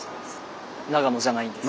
長野じゃないんです。